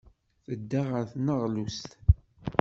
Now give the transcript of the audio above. Tedda ɣer tneɣlust.